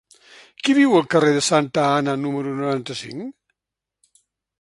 Qui viu al carrer de Santa Anna número noranta-cinc?